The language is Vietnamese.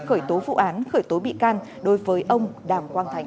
khởi tố vụ án khởi tố bị can đối với ông đàm quang thành